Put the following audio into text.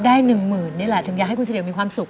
หนึ่งหมื่นนี่แหละถึงอยากให้คุณเฉลี่ยวมีความสุข